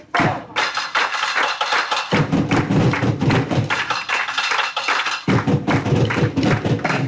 โชว์จากปริศนามหาสนุกหมายเลขหนึ่ง